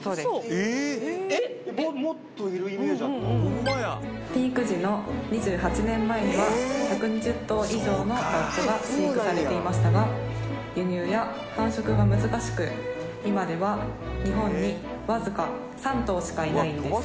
もっといるイメージあったピーク時の２８年前には１２０頭以上のラッコが飼育されていましたが輸入や繁殖が難しく今では日本にわずか３頭しかいないんです